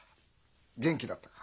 元気だったか？